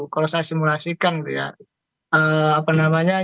kalau saya simulasikan gitu ya